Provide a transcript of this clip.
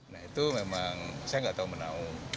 nah itu memang saya nggak tahu menau